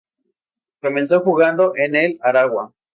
Comenzó jugando en el Aragua.